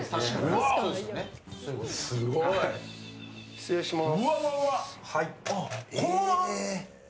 失礼します。